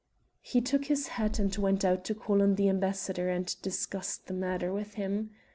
He took his hat and went out to call on the ambassador and discuss the matter with him.